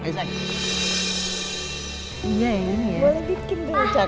boleh bikin dulu cakep